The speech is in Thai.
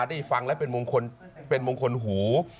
ได้ฟังแล้วเป็นมงคลหู